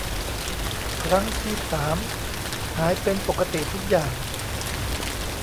ครั้งที่สามหายเป็นปกติทุกอย่าง